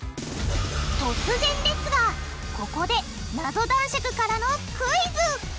突然ですがここでナゾ男爵からのクイズ！